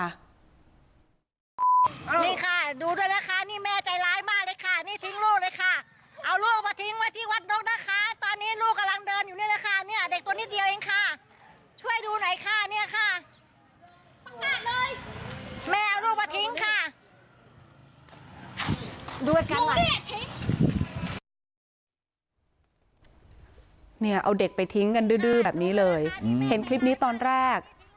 เนี่ยเอาเด็กไปทิ้งกันดื้อแบบนี้เลยเห็นคลิปนี้ตอนแรก